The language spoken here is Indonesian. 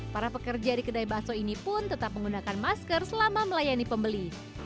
para pekerja di kedai bakso ini pun tetap menggunakan masker selama melayani pembeli